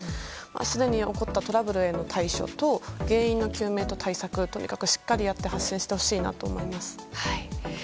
すでに起こったトラブルへの対処と原因の究明と対策をしっかりやってほしいと思います。